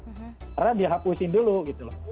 karena dihapusin dulu gitu loh